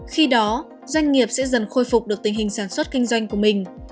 khi đó doanh nghiệp sẽ dần khôi phục được tình hình sản xuất kinh doanh của mình